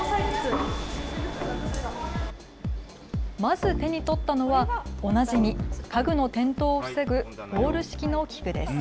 まず手に取ったのはおなじみ、家具の転倒を防ぐポール式の器具です。